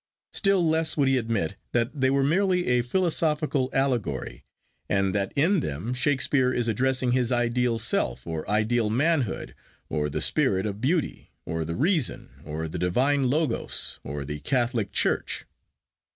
Still less would he admit that they were merely a philosophical allegory, and that in them Shakespeare is addressing his Ideal Self, or Ideal Manhood, or the Spirit of Beauty, or the Reason, or the Divine Logos, or the Catholic Church.